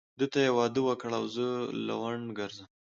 ده ته يې واده وکړ او زه لونډه ګرځم.